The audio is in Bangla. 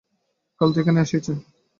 কাল তো এখানেই আসিয়াছেন।